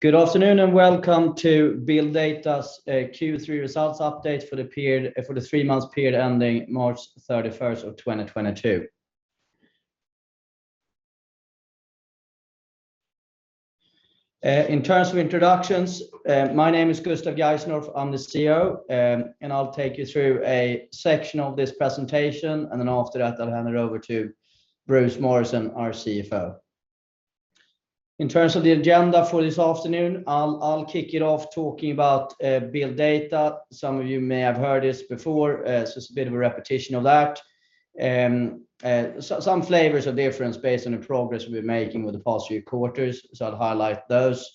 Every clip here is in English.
Good afternoon and welcome to BuildData's Q3 Results Update for the 3-month period ending March 31, 2022. In terms of introductions, my name is Gustave Geisendorf. I'm the CEO, and I'll take you through a section of this presentation, and then after that I'll hand it over to Bruce Morrison, our CFO. In terms of the agenda for this afternoon, I'll kick it off talking about BuildData. Some of you may have heard this before, so it's a bit of a repetition of that. Some flavors are different based on the progress we've been making with the past few quarters, so I'll highlight those.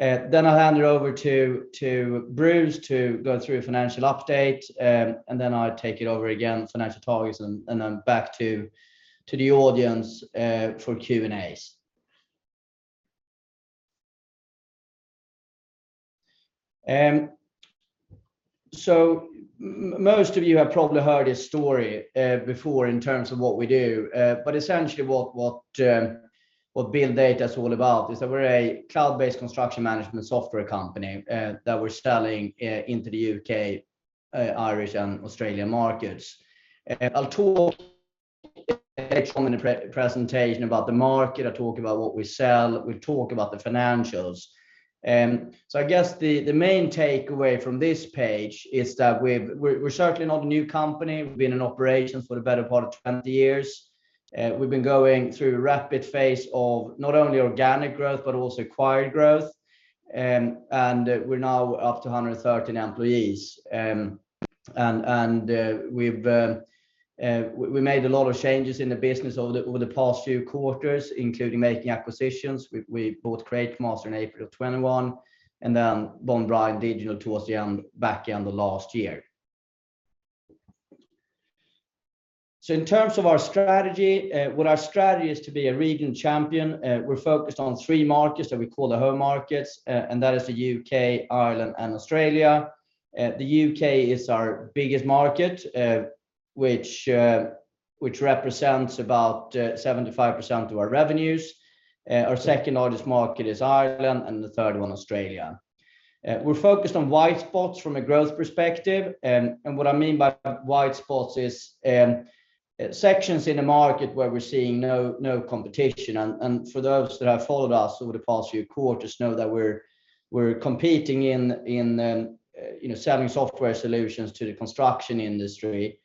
I'll hand it over to Bruce to go through a financial update, and then I'll take it over again, financial targets and then back to the audience for Q&As. Most of you have probably heard this story before in terms of what we do. Essentially what BuildData's all about is that we're a cloud-based construction management software company that we're selling into the U.K., Irish and Australian markets. I'll talk presentation about the market. I talk about what we sell. We talk about the financials. I guess the main takeaway from this page is that we're certainly not a new company. We've been in operations for the better part of 20 years. We've been going through rapid phase of not only organic growth, but also acquired growth. We're now up to 113 employees. We've made a lot of changes in the business over the past few quarters, including making acquisitions. We bought Createmaster in April of 2021, and then Bond Bryan Digital towards the end, back end of last year. In terms of our strategy, what our strategy is to be a regional champion. We're focused on three markets that we call the home markets. That is the U.K., Ireland and Australia. The U.K. is our biggest market, which represents about 75% of our revenues. Our second largest market is Ireland, and the third one Australia. We're focused on white spots from a growth perspective, and what I mean by white spots is sections in the market where we're seeing no competition. For those that have followed us over the past few quarters know that we're competing in you know selling software solutions to the construction industry,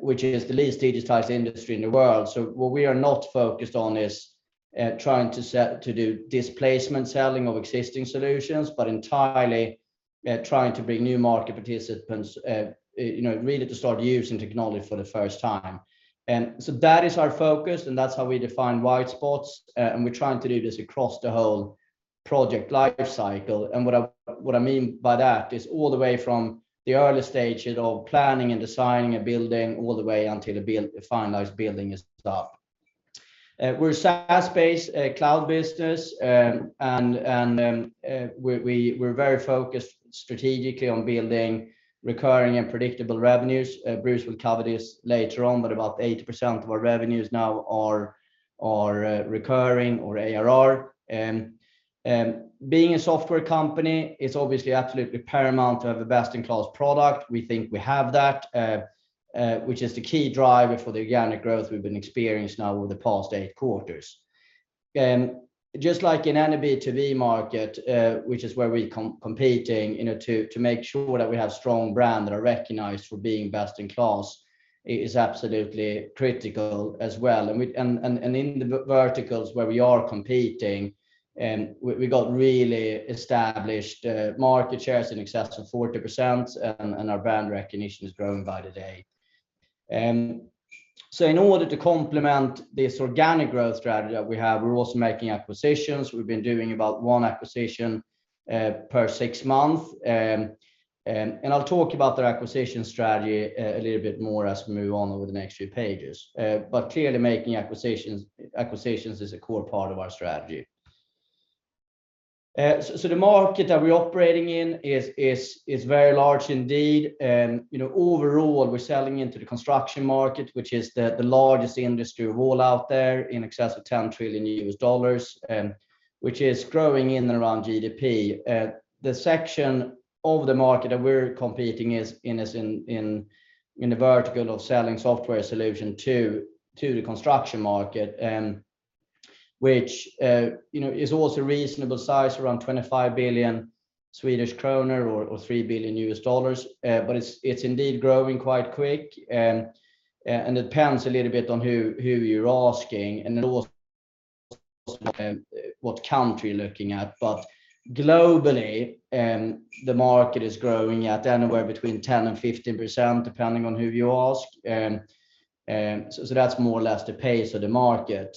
which is the least digitized industry in the world. What we are not focused on is trying to do displacement selling of existing solutions, but entirely trying to bring new market participants you know really to start using technology for the first time. That is our focus and that's how we define white spots. We're trying to do this across the whole project life cycle. What I mean by that is all the way from the early stages of planning and designing a building all the way until the finalized building is up. We're a SaaS-based cloud business. We're very focused strategically on building recurring and predictable revenues. Bruce will cover this later on, but about 80% of our revenues now are recurring or ARR. Being a software company, it's obviously absolutely paramount to have a best-in-class product. We think we have that, which is the key driver for the organic growth we've been experiencing now over the past eight quarters. Just like in any B2B market, which is where we competing, you know, to make sure that we have strong brand that are recognized for being best in class is absolutely critical as well. In the verticals where we are competing, we've got really established market shares in excess of 40% and our brand recognition is growing by the day. In order to complement this organic growth strategy that we have, we're also making acquisitions. We've been doing about one acquisition per six months. I'll talk about the acquisition strategy a little bit more as we move on over the next few pages. Clearly making acquisitions is a core part of our strategy. The market that we're operating in is very large indeed. You know, overall we're selling into the construction market, which is the largest industry of all out there in excess of $10 trillion, which is growing in and around GDP. The section of the market that we're competing is in the vertical of selling software solution to the construction market, which you know is also reasonable size around 25 billion Swedish kronor or $3 billion. It's indeed growing quite quick. It depends a little bit on who you're asking and also what country you're looking at. Globally, the market is growing at anywhere between 10%-15%, depending on who you ask. That's more or less the pace of the market.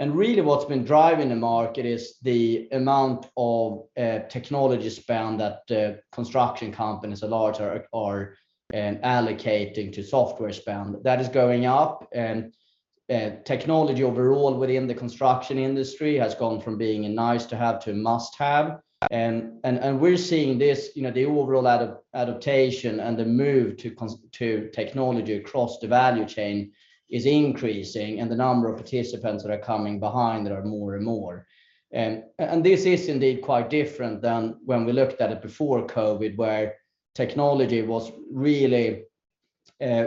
Really what's been driving the market is the amount of technology spend that construction companies are allocating to software spend. That is going up. Technology overall within the construction industry has gone from being a nice to have to must have. We're seeing this, you know, the overall adoption and the move to ConTech across the value chain is increasing, and the number of participants that are coming behind that are more and more. This is indeed quite different than when we looked at it before COVID, where technology was really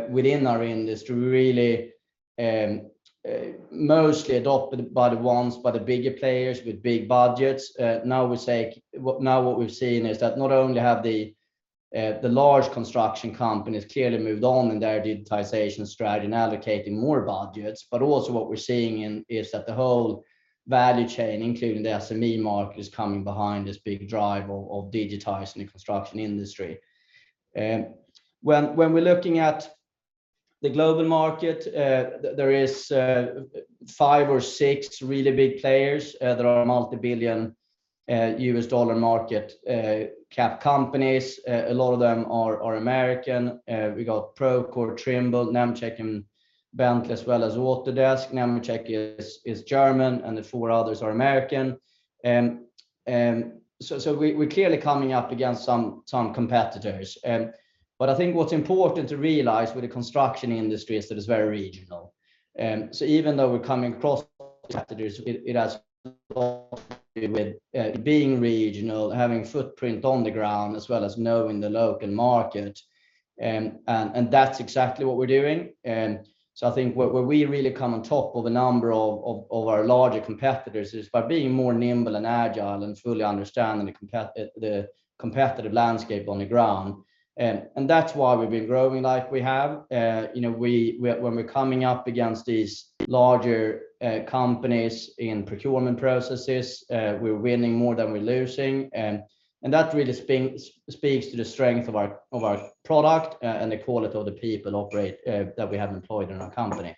within our industry really and mostly adopted by the bigger players with big budgets. Now what we've seen is that not only have the large construction companies clearly moved on in their digitization strategy and allocating more budgets, but also what we're seeing is that the whole value chain, including the SME market, is coming behind this big drive of digitizing the construction industry. When we're looking at the global market, there is five or six really big players that are multibillion U.S. dollar market cap companies. A lot of them are American. We got Procore, Trimble, Nemetschek, and Bentley as well as Autodesk. Nemetschek is German, and the four others are American. We're clearly coming up against some competitors. I think what's important to realize with the construction industry is that it's very regional. Even though we're coming across competitors, being regional, having footprint on the ground as well as knowing the local market. That's exactly what we're doing. I think where we really come on top of a number of our larger competitors is by being more nimble and agile and fully understanding the competitive landscape on the ground. That's why we've been growing like we have. You know, when we're coming up against these larger companies in procurement processes, we're winning more than we're losing. That really speaks to the strength of our product and the quality of the people that we have employed in our company.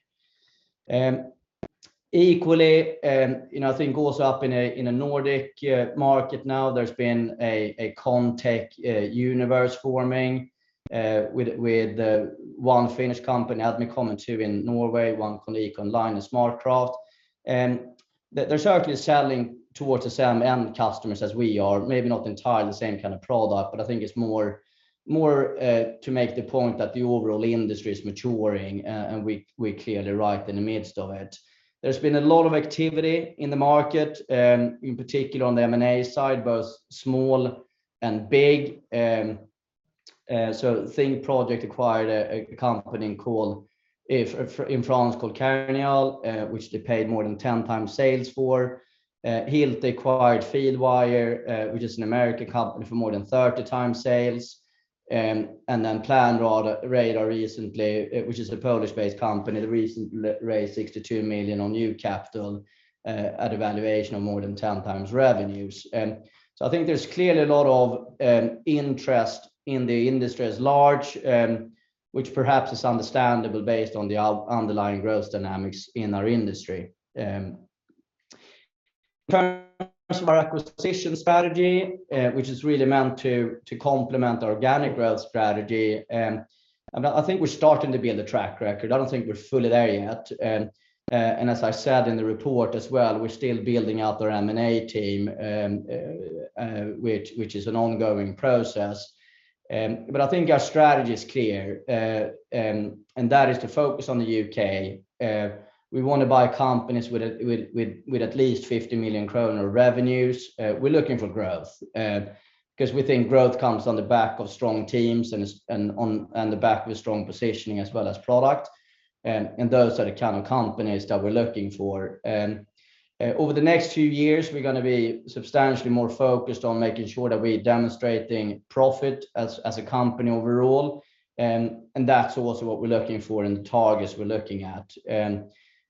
Equally, you know, I think also up in a Nordic market now, there's been a ConTech universe forming with one Finnish company, Admicom, and two in Norway, One Click LCA and SmartCraft. They're certainly selling towards the same end customers as we are. Maybe not entirely the same kind of product, but I think it's more to make the point that the overall industry is maturing, and we're clearly right in the midst of it. There's been a lot of activity in the market, in particular on the M&A side, both small and big. Thinkproject acquired a company called Kairnial in France, which they paid more than 10x sales for. Hilti acquired Fieldwire, which is an American company, for more than 30x sales. PlanRadar recently, which is an Austria-based company, they recently raised 62 million in new capital at a valuation of more than 10x revenues. I think there's clearly a lot of interest in the industry at large, which perhaps is understandable based on the underlying growth dynamics in our industry. In terms of our acquisition strategy, which is really meant to complement our organic growth strategy, I mean, I think we're starting to build a track record. I don't think we're fully there yet. As I said in the report as well, we're still building out our M&A team, which is an ongoing process. I think our strategy is clear. That is to focus on the U.K. We wanna buy companies with at least 50 million kronor revenues. We're looking for growth, 'cause we think growth comes on the back of strong teams and on the back of a strong positioning as well as product. Those are the kind of companies that we're looking for. Over the next few years, we're gonna be substantially more focused on making sure that we're demonstrating profit as a company overall. That's also what we're looking for in the targets we're looking at.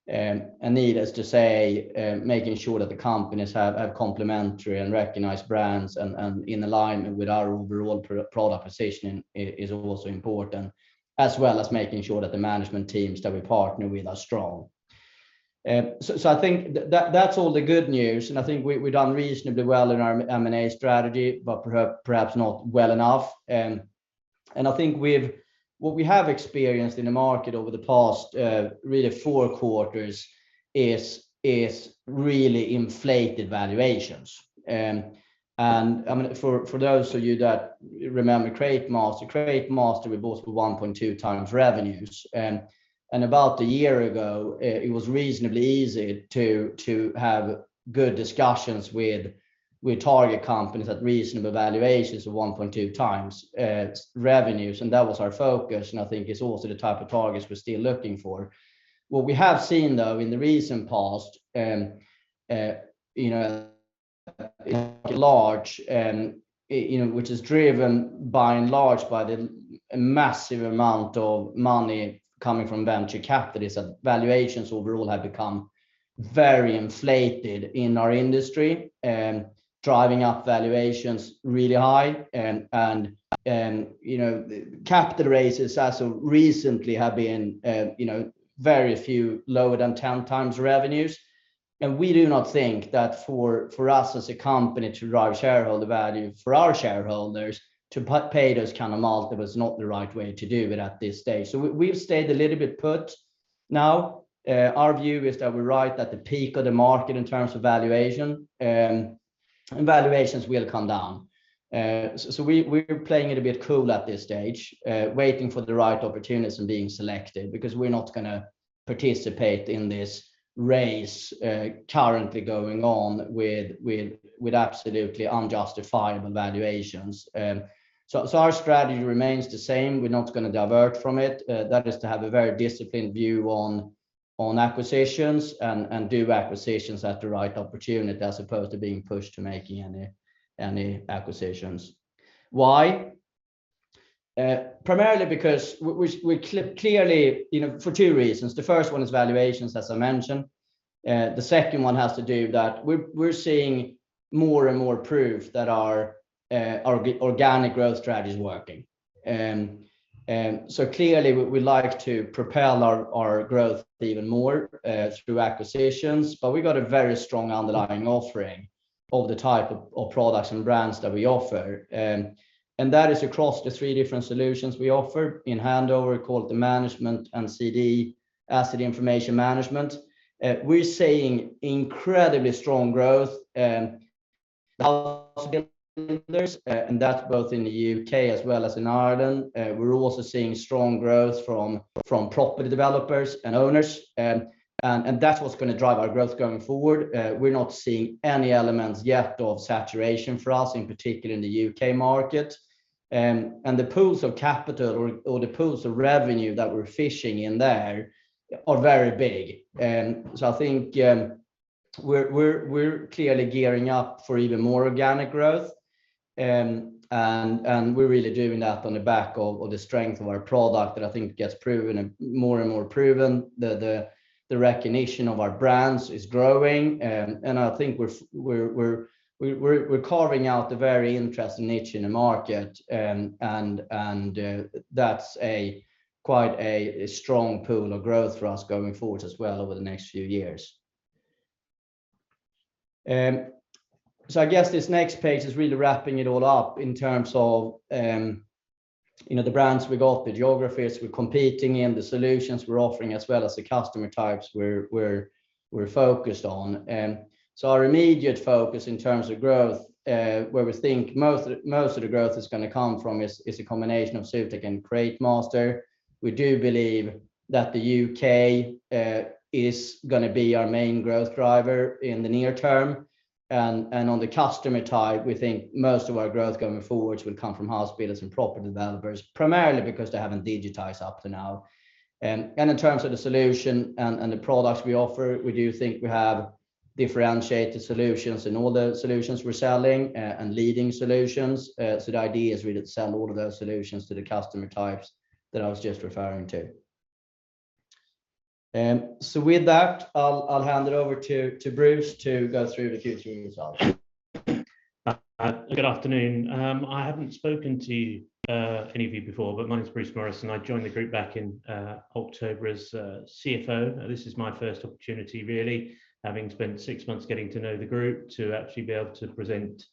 Needless to say, making sure that the companies have complementary and recognized brands and in alignment with our overall product positioning is also important, as well as making sure that the management teams that we partner with are strong. I think that that's all the good news, and I think we've done reasonably well in our M&A strategy, but perhaps not well enough. I think what we have experienced in the market over the past really four quarters is really inflated valuations. I mean, for those of you that remember Createmaster, we bought it for 1.2x revenues. About a year ago, it was reasonably easy to have good discussions with target companies at reasonable valuations of 1.2x revenues, and that was our focus, and I think it's also the type of targets we're still looking for. What we have seen, though, in the recent past, you know, which is driven by and large by the massive amount of money coming from venture capitalists, that valuations overall have become very inflated in our industry, driving up valuations really high. Capital raises as of recently have been, you know, very few lower than 10x revenues. We do not think that for us as a company to drive shareholder value for our shareholders, to pay those kind of multiples is not the right way to do it at this stage. We have stayed a little bit put. Now, our view is that we are right at the peak of the market in terms of valuation, and valuations will come down. We're playing it a bit cool at this stage, waiting for the right opportunities and being selective because we're not gonna participate in this race currently going on with absolutely unjustifiable valuations. Our strategy remains the same. We're not gonna divert from it. That is to have a very disciplined view on acquisitions and do acquisitions at the right opportunity as opposed to being pushed to making any acquisitions. Why? Primarily because we clearly, you know, for two reasons, the first one is valuations, as I mentioned. The second one has to do that we're seeing more and more proof that our organic growth strategy is working. Clearly we like to propel our growth even more through acquisitions, but we've got a very strong underlying offering of the type of products and brands that we offer. That is across the three different solutions we offer in Handover, Quality Management and CDE, Asset Information Management. We're seeing incredibly strong growth, and that's both in the U.K. as well as in Ireland. We're also seeing strong growth from property developers and owners. That's what's gonna drive our growth going forward. We're not seeing any elements yet of saturation for us, in particular in the U.K. market. The pools of capital or the pools of revenue that we're fishing in there are very big. I think we're clearly gearing up for even more organic growth. We're really doing that on the back of the strength of our product that I think gets proven more and more proven. The recognition of our brands is growing, and I think we're carving out a very interesting niche in the market. That's quite a strong pool of growth for us going forward as well over the next few years. I guess this next page is really wrapping it all up in terms of you know the brands we've got, the geographies we're competing in, the solutions we're offering, as well as the customer types we're focused on. Our immediate focus in terms of growth, where we think most of the growth is gonna come from is a combination of Zutec and Createmaster. We do believe that the U.K. is gonna be our main growth driver in the near term. On the customer type, we think most of our growth going forwards will come from house builders and property developers, primarily because they haven't digitized up to now. In terms of the solution and the products we offer, we do think we have differentiated solutions in all the solutions we're selling, and leading solutions. The idea is we sell all of those solutions to the customer types that I was just referring to. With that, I'll hand it over to Bruce to go through the financial results. Good afternoon. I haven't spoken to any of you before, but my name's Bruce Morrison. I joined the group back in October as CFO. This is my first opportunity really, having spent six months getting to know the group, to actually be able to present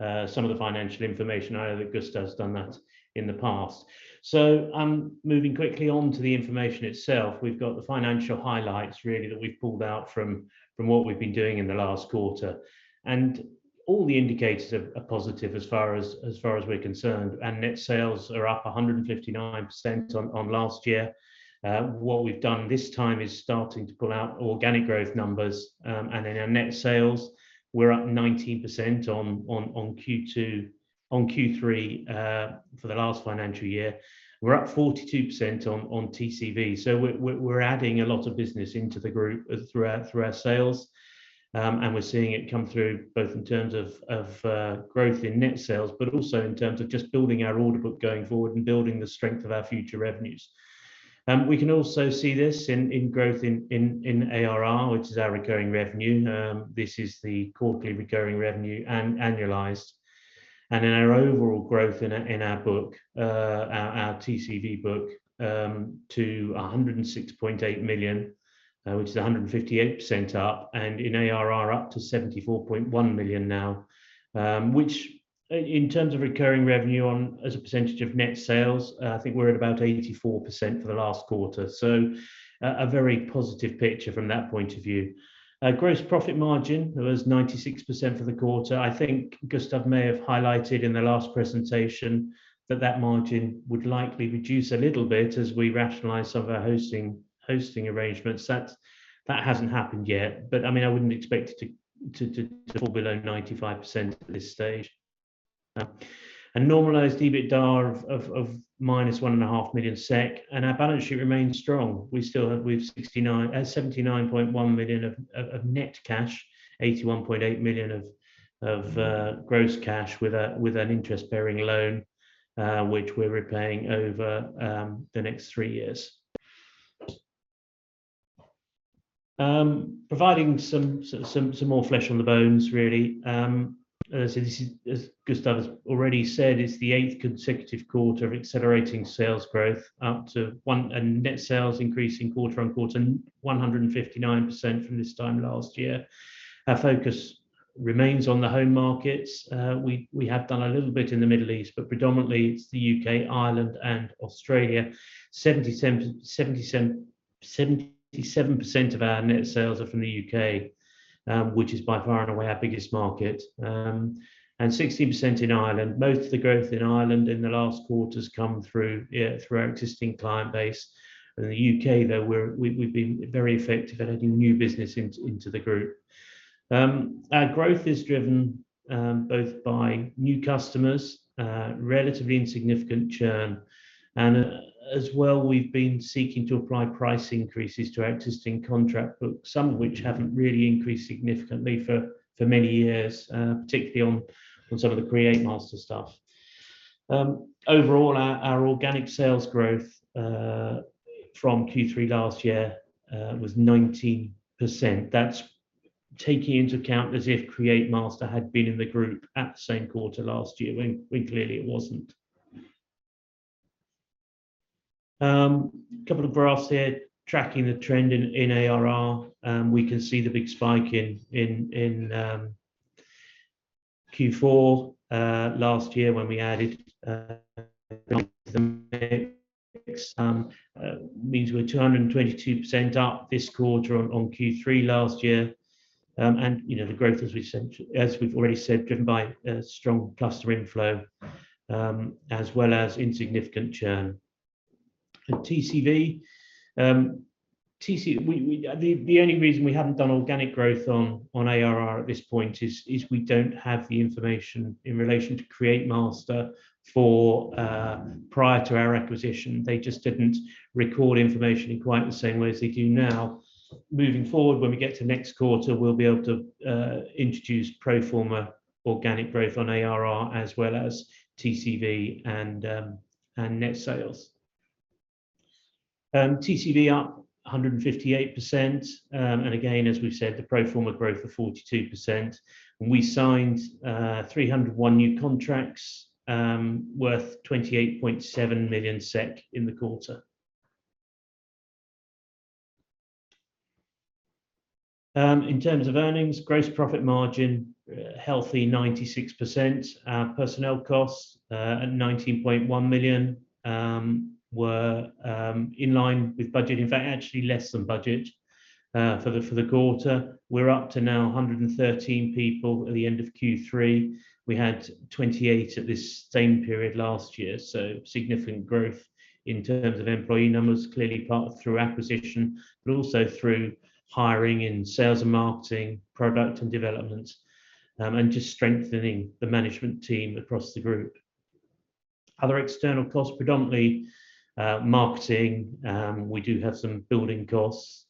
some of the financial information. I know that Gustave has done that in the past. I'm moving quickly on to the information itself. We've got the financial highlights really that we've pulled out from what we've been doing in the last quarter. All the indicators are positive as far as we're concerned. Our net sales are up 159% on last year. What we've done this time is starting to pull out organic growth numbers, and in our net sales we're up 19% on Q3 for the last financial year. We're up 42% on TCV. We're adding a lot of business into the group through our sales. We're seeing it come through both in terms of growth in net sales, but also in terms of just building our order book going forward and building the strength of our future revenues. We can also see this in growth in ARR, which is our recurring revenue. This is the quarterly recurring revenue annualized. In our overall growth in our book, our TCV book, to 106.8 million, which is 158% up, and in ARR up to 74.1 million now. Which in terms of recurring revenue as a percentage of net sales, I think we're at about 84% for the last quarter. A very positive picture from that point of view. Our gross profit margin was 96% for the quarter. I think Gustave may have highlighted in the last presentation that that margin would likely reduce a little bit as we rationalize some of our hosting arrangements. That hasn't happened yet, but I mean, I wouldn't expect it to fall below 95% at this stage. A normalized EBITDA of minus one and a half million SEK, and our balance sheet remains strong. We still have 79.1 million of net cash, 81.8 million of gross cash with an interest-bearing loan, which we're repaying over the next three years. Providing some more flesh on the bones really. This is, as Gustave has already said, the eighth consecutive quarter of accelerating sales growth and net sales increasing quarter-on-quarter 159% from this time last year. Our focus remains on the home markets. We have done a little bit in the Middle East, but predominantly it's the U.K., Ireland and Australia. 77% of our net sales are from the UK, which is by far and away our biggest market, and 60% in Ireland. Most of the growth in Ireland in the last quarter's come through our existing client base. In the UK, though, we've been very effective at adding new business into the group. Our growth is driven both by new customers, relatively insignificant churn, and as well we've been seeking to apply price increases to our existing contract books, some of which haven't really increased significantly for many years, particularly on some of the Createmaster stuff. Overall our organic sales growth from Q3 last year was 19%. That's taking into account as if Createmaster had been in the group at the same quarter last year when clearly it wasn't. Couple of graphs here tracking the trend in ARR. We can see the big spike in Q4 last year when we added means we're 222% up this quarter on Q3 last year. You know, the growth as we've already said driven by strong cluster inflow as well as insignificant churn. TCV. The only reason we haven't done organic growth on ARR at this point is we don't have the information in relation to Createmaster for prior to our acquisition. They just didn't record information in quite the same way as they do now. Moving forward, when we get to next quarter, we'll be able to introduce pro forma organic growth on ARR as well as TCV and net sales. TCV up 158%. Again, as we've said, the pro forma growth of 42%. We signed 301 new contracts worth 28.7 million SEK in the quarter. In terms of earnings, gross profit margin healthy 96%. Our personnel costs at 19.1 million were in line with budget. In fact, actually less than budget for the quarter. We're up to now 113 people at the end of Q3. We had 28 at this same period last year, so significant growth in terms of employee numbers, clearly part through acquisition, but also through hiring in sales and marketing, product and development, and just strengthening the management team across the group. Other external costs, predominantly marketing. We do have some building costs.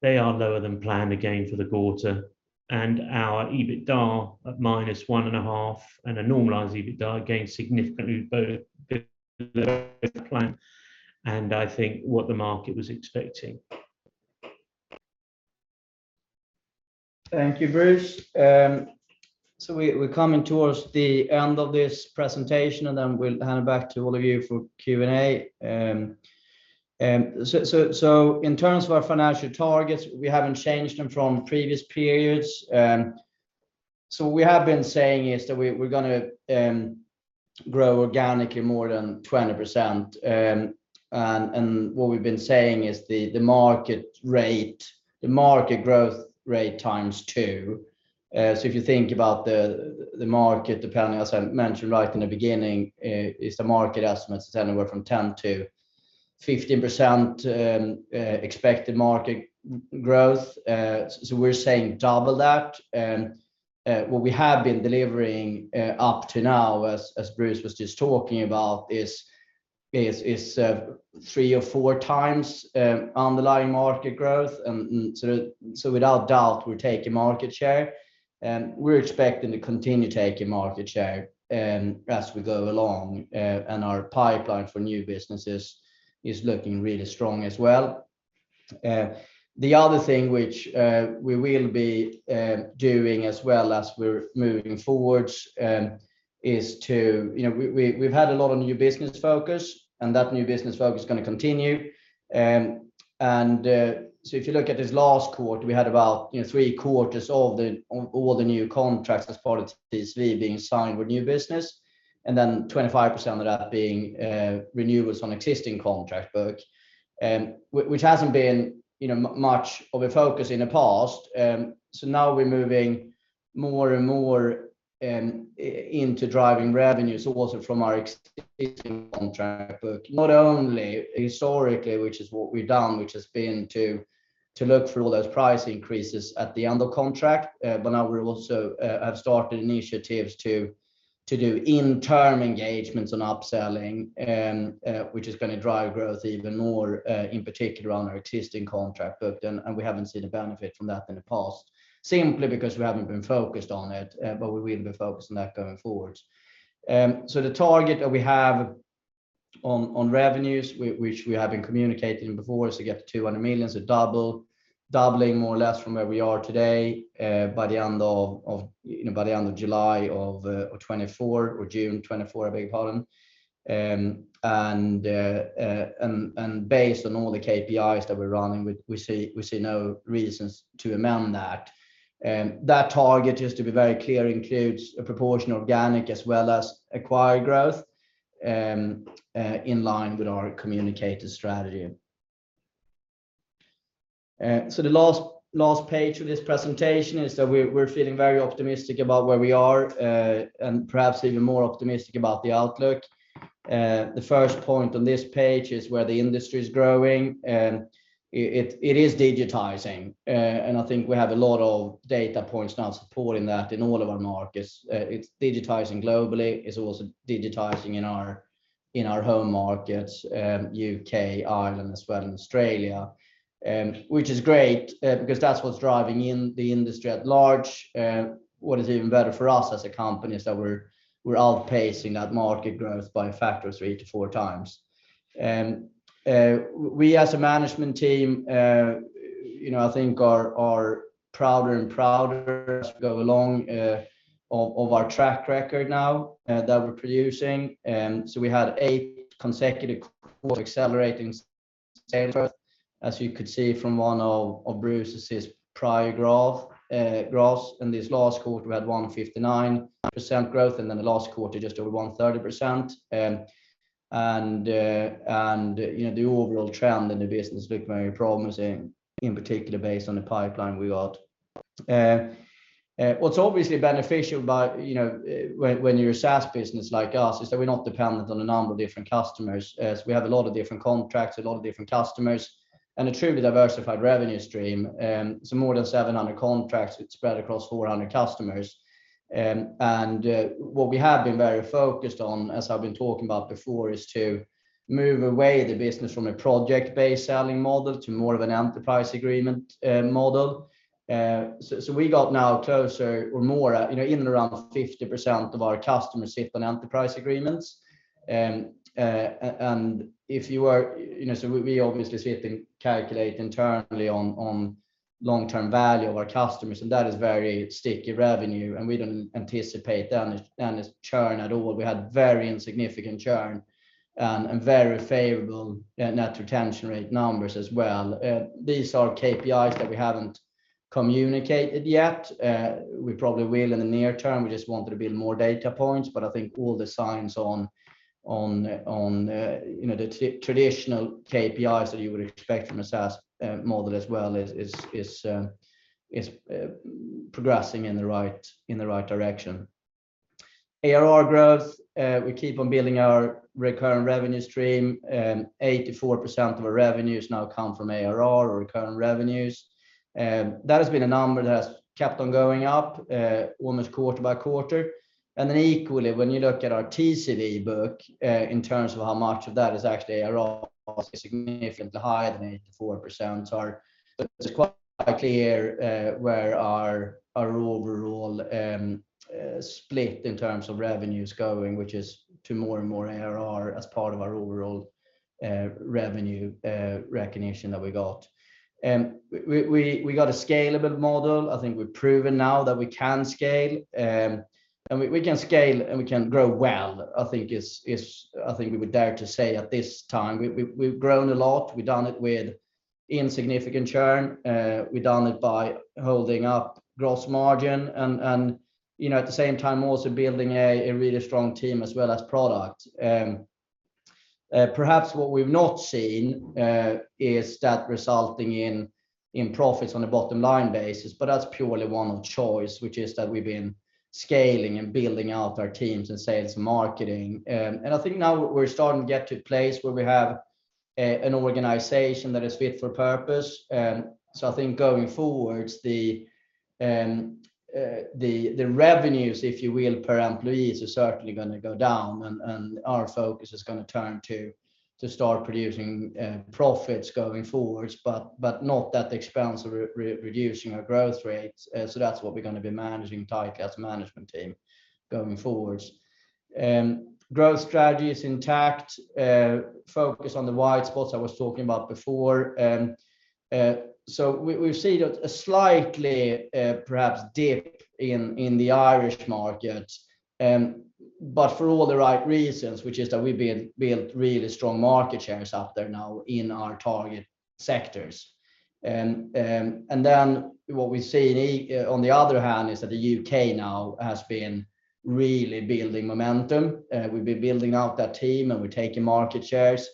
They are lower than planned again for the quarter. Our EBITDA at -1.5, and a normalized EBITDA again significantly below plan, and I think what the market was expecting. Thank you, Bruce. We're coming towards the end of this presentation, and then we'll hand it back to all of you for Q&A. In terms of our financial targets, we haven't changed them from previous periods. We have been saying is that we're gonna grow organically more than 20%. What we've been saying is the market growth rate times two. If you think about the market, depending as I mentioned right in the beginning, the market estimate is anywhere from 10%-15% expected market growth. We're saying double that. What we have been delivering up to now as Bruce was just talking about is three or four times underlying market growth. Without doubt we're taking market share. We're expecting to continue taking market share as we go along. Our pipeline for new businesses is looking really strong as well. The other thing which we will be doing as well as we're moving forwards is to you know, we've had a lot of new business focus, and that new business focus is gonna continue. If you look at this last quarter, we had about you know, three quarters of all the new contracts as far as TCV being signed with new business. And then 25% of that being renewals on existing contract book. Which hasn't been you know, much of a focus in the past. Now we're moving more and more into driving revenue sources from our existing contract book. Not only historically, which is what we've done, which has been to look for all those price increases at the end of contract, but now we also have started initiatives to do interim engagements on upselling. Which is gonna drive growth even more in particular on our existing contract book. We haven't seen a benefit from that in the past, simply because we haven't been focused on it, but we will be focused on that going forwards. The target that we have on revenues which we have been communicating before is to get to 200 million, doubling more or less from where we are today, by the end of June 2024, I beg your pardon. Based on all the KPIs that we're running, we see no reasons to amend that. That target, just to be very clear, includes a proportion of organic as well as acquired growth, in line with our communicated strategy. The last page of this presentation is that we're feeling very optimistic about where we are, and perhaps even more optimistic about the outlook. The first point on this page is where the industry is growing, and it is digitizing. I think we have a lot of data points now supporting that in all of our markets. It's digitizing globally. It's also digitizing in our home markets, U.K., Ireland as well, and Australia. Which is great, because that's what's driving in the industry at large. What is even better for us as a company is that we're outpacing that market growth by a factor of three or four times. We as a management team, you know, I think are prouder and prouder as we go along, of our track record now, that we're producing. We had eight consecutive quarters accelerating sales growth, as you could see from one of Bruce's prior graphs. In this last quarter, we had 159% growth, and then the last quarter just over 130%. You know, the overall trend in the business looks very promising, in particular based on the pipeline we got. What's obviously beneficial about, you know, when you're a SaaS business like us is that we're not dependent on a number of different customers as we have a lot of different contracts, a lot of different customers, and a truly diversified revenue stream. More than 700 contracts spread across 400 customers. What we have been very focused on, as I've been talking about before, is to move away the business from a project-based selling model to more of an enterprise agreement model. We got now closer or more, you know, in and around 50% of our customers sit on enterprise agreements. If you are, you know, so we obviously sit and calculate internally on long-term value of our customers, and that is very sticky revenue, and we don't anticipate any churn at all. We had very insignificant churn, and very favorable net retention rate numbers as well. These are KPIs that we haven't communicated yet. We probably will in the near term. We just wanted a bit more data points. I think all the signs on you know the traditional KPIs that you would expect from a SaaS model as well is progressing in the right direction. ARR growth we keep on building our recurring revenue stream. 84% of our revenues now come from ARR or recurring revenues. That has been a number that has kept on going up almost quarter by quarter. Then equally when you look at our TCV book in terms of how much of that is actually ARR, significantly higher than 84%. It's quite clear where our overall split in terms of revenue is going, which is to more and more ARR as part of our overall revenue recognition that we got. We got a scalable model. I think we've proven now that we can scale and we can grow well. I think we would dare to say at this time. We've grown a lot. We've done it with insignificant churn. We've done it by holding up gross margin and, you know, at the same time also building a really strong team as well as product. Perhaps what we've not seen is that resulting in profits on a bottom-line basis, but that's purely one of choice, which is that we've been scaling and building out our teams and sales and marketing. I think now we're starting to get to a place where we have an organization that is fit for purpose. I think going forwards, the revenues, if you will, per employee is certainly gonna go down, and our focus is gonna turn to start producing profits going forwards, but not at the expense of reducing our growth rates. That's what we're gonna be managing tightly as a management team going forwards. Growth strategy is intact. Focus on the white spots I was talking about before. We've seen a slight, perhaps, dip in the Irish market. For all the right reasons, which is that we built really strong market shares out there now in our target sectors. What we see on the other hand is that the U.K. now has been really building momentum. We've been building out that team, and we're taking market shares,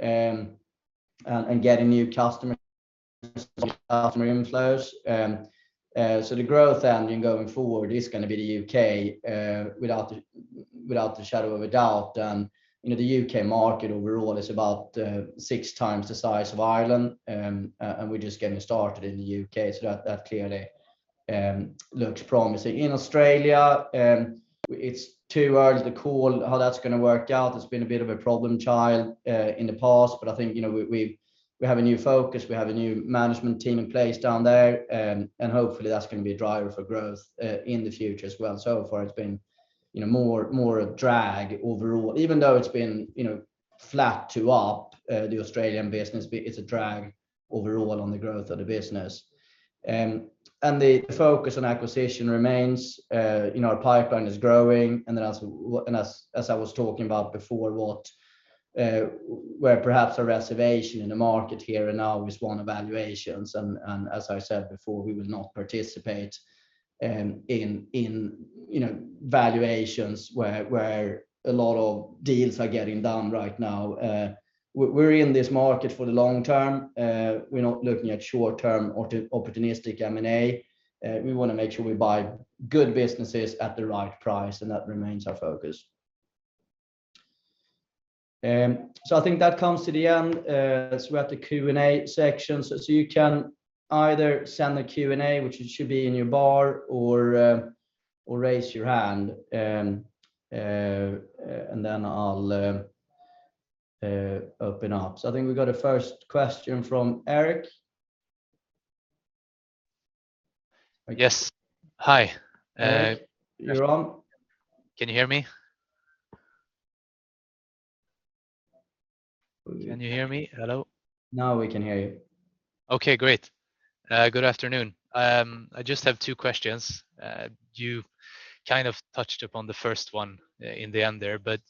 and getting new customers, customer inflows. The growth engine going forward is gonna be the U.K. without a shadow of a doubt. You know, the U.K. market overall is about six times the size of Ireland, and we're just getting started in the UK. That clearly looks promising. In Australia, it's too early to call how that's gonna work out. It's been a bit of a problem child in the past, but I think, you know, we have a new focus, we have a new management team in place down there, and hopefully that's gonna be a driver for growth in the future as well. So far, it's been, you know, more a drag overall. Even though it's been, you know, flat to up, the Australian business, but it's a drag overall on the growth of the business. The focus on acquisition remains. You know, our pipeline is growing, and then, as I was talking about before, where perhaps a reservation in the market here and now is on valuations. As I said before, we will not participate in you know, valuations where a lot of deals are getting done right now. We're in this market for the long term. We're not looking at short-term opportunistic M&A. We wanna make sure we buy good businesses at the right price, and that remains our focus. I think that comes to the end as we're at the Q&A section. You can either send a Q&A, which it should be in your bar or raise your hand, and then I'll open up. I think we got a first question from Eric. I guess. Hi. Eric, you're on. Can you hear me? Can you hear me? Hello? Now we can hear you. Okay, great. Good afternoon. I just have two questions. You kind of touched upon the first one in the end there, but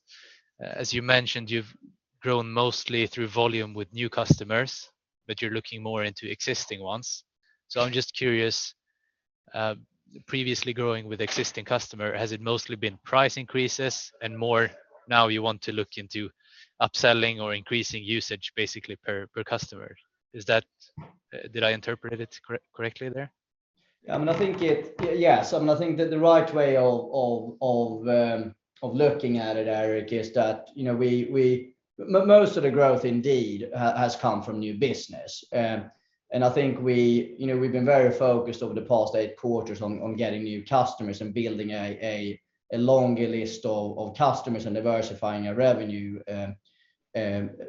as you mentioned, you've grown mostly through volume with new customers, but you're looking more into existing ones. I'm just curious, previously growing with existing customer, has it mostly been price increases and more now you want to look into upselling or increasing usage basically per customer? Did I interpret it correctly there? I mean, I think that the right way of looking at it, Eric, is that, you know, most of the growth indeed has come from new business. I think we, you know, we've been very focused over the past 8 quarters on getting new customers and building a longer list of customers and diversifying our revenue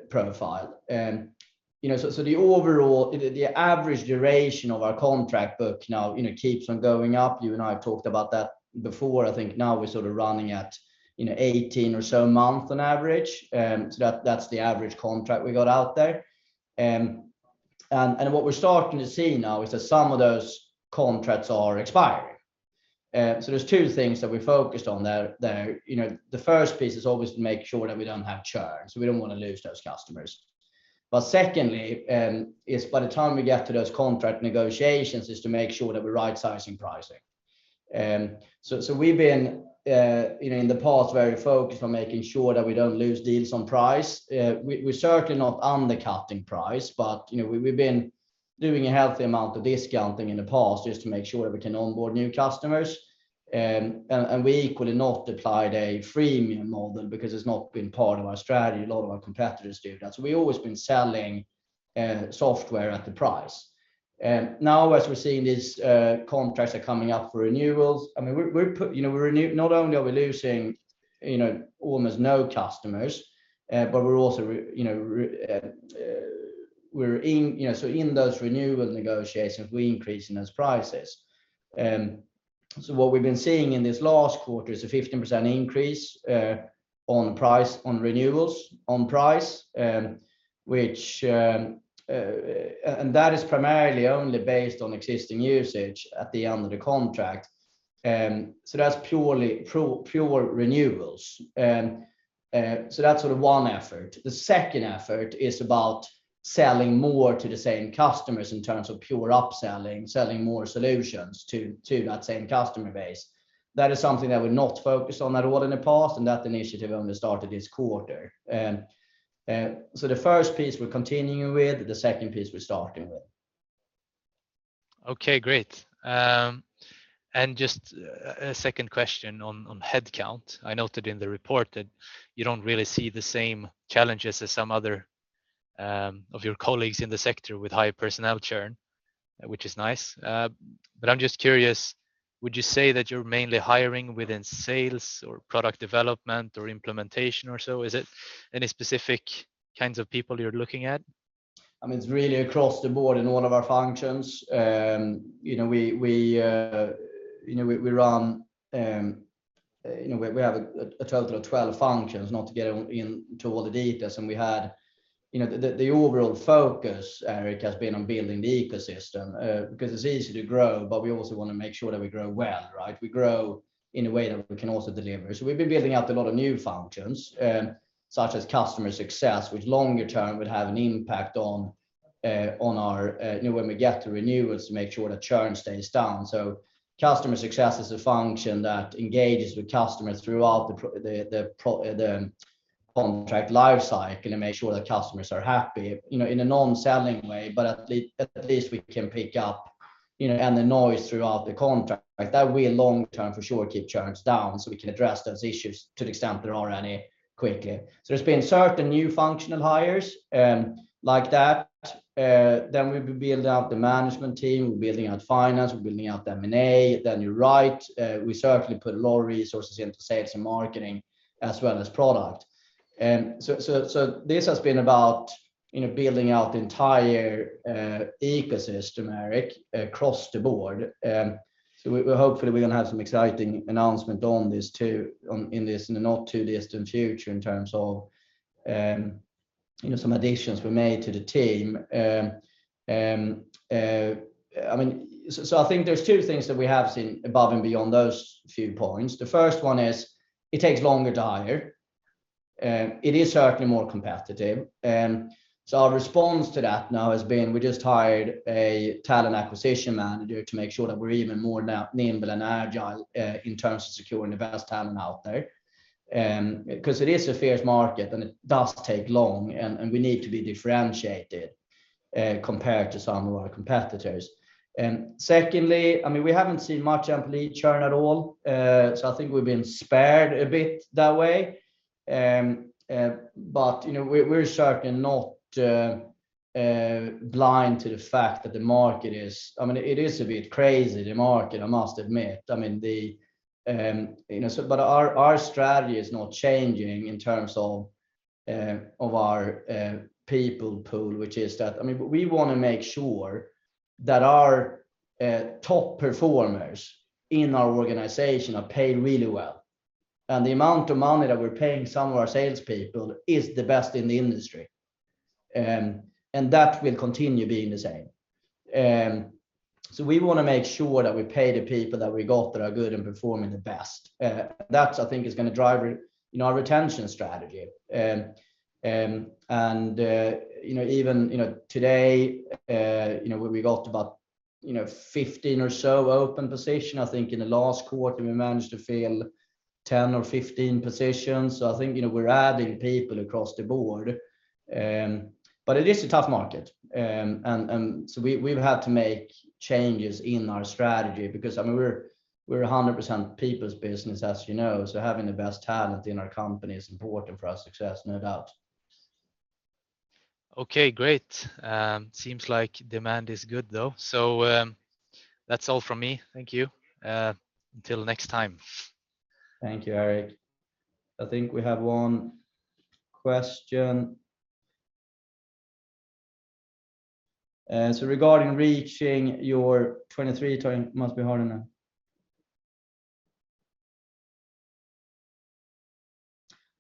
profile. You know, the average duration of our contract book now, you know, keeps on going up. You and I have talked about that before. I think now we're sort of running at, you know, 18 or so month on average. That's the average contract we got out there. What we're starting to see now is that some of those contracts are expiring. There's two things that we're focused on there. You know, the first piece is always to make sure that we don't have churn, so we don't wanna lose those customers. Secondly, by the time we get to those contract negotiations, to make sure that we're right sizing pricing. We've been, you know, in the past very focused on making sure that we don't lose deals on price. We're certainly not undercutting price, but, you know, we've been doing a healthy amount of discounting in the past just to make sure that we can onboard new customers. We equally not applied a premium model because it's not been part of our strategy. A lot of our competitors do that. We've always been selling software at the price. Now as we're seeing these contracts are coming up for renewals, not only are we losing, you know, almost no customers, but we're also, you know, so in those renewal negotiations, we're increasing those prices. What we've been seeing in this last quarter is a 15% increase on price, on renewals, on price, which, and that is primarily only based on existing usage at the end of the contract. That's sort of one effort. The second effort is about selling more to the same customers in terms of pure upselling, selling more solutions to that same customer base. That is something that we've not focused on at all in the past, and that initiative only started this quarter. The first piece we're continuing with, the second piece we're starting with. Okay, great. Just a second question on headcount. I noted in the report that you don't really see the same challenges as some other of your colleagues in the sector with high personnel churn, which is nice. I'm just curious, would you say that you're mainly hiring within sales or product development or implementation or so? Is it any specific kinds of people you're looking at? I mean, it's really across the board in all of our functions. You know, we have a total of 12 functions, not to get into all the details. You know, the overall focus, Eric, has been on building the ecosystem, because it's easy to grow, but we also wanna make sure that we grow well, right? We grow in a way that we can also deliver. We've been building out a lot of new functions, such as customer success, which longer term would have an impact on our when we get to renewals to make sure that churn stays down. Customer success is a function that engages with customers throughout the contract life cycle and make sure that customers are happy, you know, in a non-selling way, but at least we can pick up, you know, any noise throughout the contract. That will long term for sure keep churns down, so we can address those issues to the extent there are any quickly. There's been certain new functional hires, like that. We've been building out the management team. We're building out finance. We're building out the M&A. You're right, we certainly put a lot of resources into sales and marketing as well as product. This has been about, you know, building out the entire ecosystem, Eric, across the board. We're hopefully gonna have some exciting announcement on this too, in the not too distant future in terms of, you know, some additions were made to the team. I think there's two things that we have seen above and beyond those few points. The first one is it takes longer to hire, it is certainly more competitive. Our response to that now has been, we just hired a talent acquisition manager to make sure that we're even more now nimble and agile, in terms of securing the best talent out there. Because it is a fierce market, and it does take long, and we need to be differentiated compared to some of our competitors. Secondly, I mean, we haven't seen much employee churn at all. I think we've been spared a bit that way. You know, we're certainly not blind to the fact that the market is a bit crazy, the market, I must admit. I mean, our strategy is not changing in terms of our people pool, which is that, I mean, we wanna make sure that our top performers in our organization are paid really well. The amount of money that we're paying some of our salespeople is the best in the industry. That will continue being the same. We wanna make sure that we pay the people that we got that are good and performing the best. That I think is gonna drive, you know, our retention strategy. You know, even today, you know, we've got about 15 or so open position. I think in the last quarter we managed to fill 10 or 15 positions. I think, you know, we're adding people across the board. It is a tough market. We've had to make changes in our strategy because, I mean, we're 100% people's business, as you know, so having the best talent in our company is important for our success, no doubt. Okay, great. Seems like demand is good though. That's all from me. Thank you. Until next time. Thank you, Eric. I think we have one question. Regarding reaching your 2023 target must be hard enough.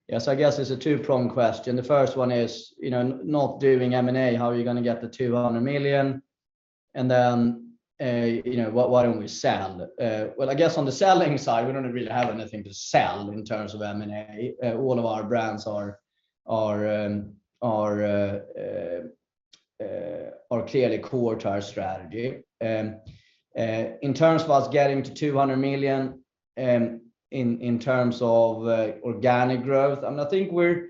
Yes, I guess it's a two-prong question. The first one is, you know, not doing M&A, how are you gonna get the 200 million? You know, why don't we sell? Well, I guess on the selling side, we don't really have anything to sell in terms of M&A. All of our brands are clearly core to our strategy. In terms of us getting to 200 million, in terms of organic growth, I mean, I think we're,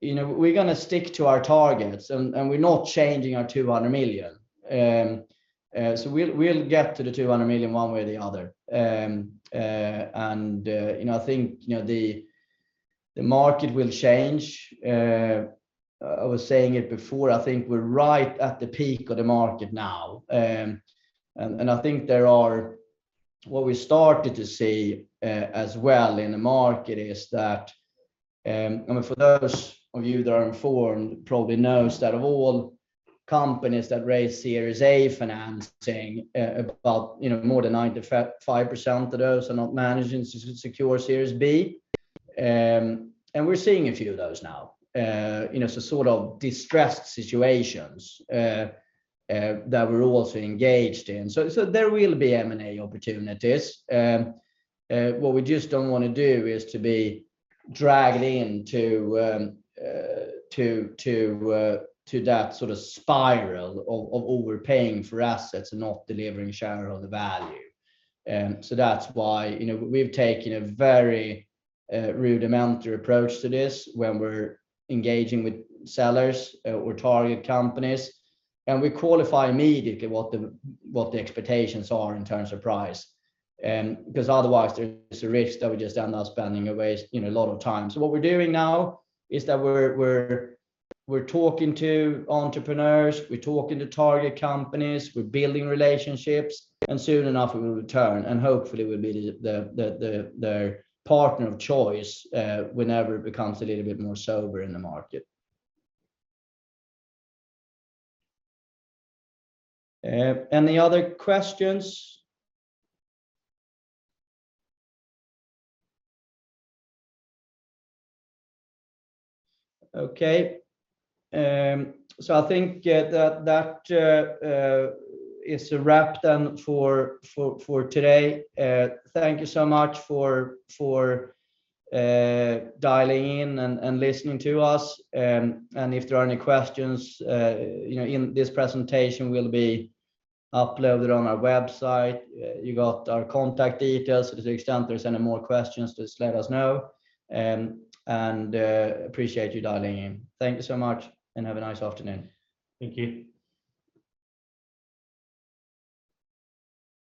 you know, we're gonna stick to our targets and we're not changing our 200 million. We'll get to the 200 million one way or the other. You know, I think the market will change. I was saying it before, I think we're right at the peak of the market now. I think there are what we started to see as well in the market is that, I mean, for those of you that are informed probably knows that of all companies that raise Series A financing, about, you know, more than 95% of those are not managing to secure Series B. We're seeing a few of those now. You know, so sort of distressed situations that we're also engaged in. There will be M&A opportunities. What we just don't wanna do is to be dragged into that sort of spiral of overpaying for assets and not delivering shareholder value. That's why, you know, we've taken a very rudimentary approach to this when we're engaging with sellers or target companies, and we qualify immediately what the expectations are in terms of price. Because otherwise there's a risk that we just end up wasting, you know, a lot of time. What we're doing now is that we're talking to entrepreneurs, we're talking to target companies, we're building relationships, and soon enough we will return and hopefully we'll be their partner of choice whenever it becomes a little bit more sober in the market. Any other questions? Okay. I think that is a wrap then for today. Thank you so much for dialing in and listening to us. If there are any questions, you know, and this presentation will be uploaded on our website. You got our contact details. To the extent there's any more questions, just let us know. Appreciate you dialing in. Thank you so much and have a nice afternoon. Thank you.